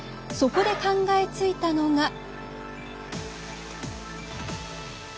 そこで考えついたのが。